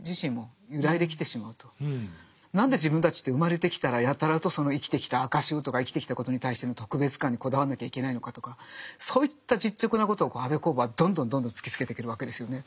彼のその何で自分たちって生まれてきたらやたらとその生きてきた証をとか生きてきたことに対しての特別感にこだわんなきゃいけないのかとかそういった実直なことを安部公房はどんどんどんどん突きつけてくるわけですよね。